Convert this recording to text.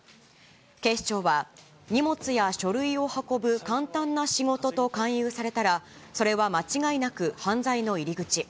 警視庁は、荷物や書類を運ぶ簡単な仕事と勧誘されたら、それは間違いなく犯罪の入り口。